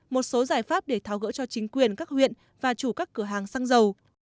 một số giải pháp để tháo gỡ cho chính quyền các huyện và chủ các cửa hàng xăng dầu